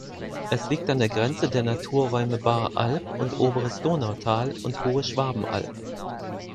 Es liegt an der Grenze der Naturräume Baaralb und Oberes Donautal und Hohe Schwabenalb.